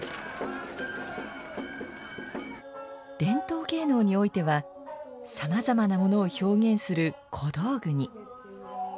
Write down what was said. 伝統芸能においてはさまざまなものを表現する小道具に。